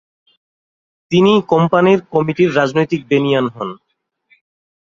তিনি কোম্পানির কমিটির রাজনৈতিক বেনিয়ান হন।